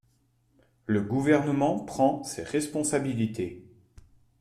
Le Gouvernement prend ses responsabilités.